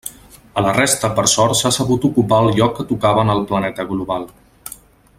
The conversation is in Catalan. A la resta, per sort, s'ha sabut ocupar el lloc que tocava en el planeta global.